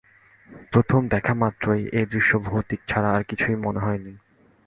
প্রথম দেখামাত্রই এ দৃশ্য ভৌতিক ছাড়া আর কিছু মনে হয়নি।